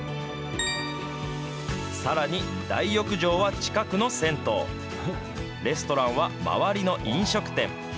さらに大浴場は近くの銭湯、レストランは周りの飲食店。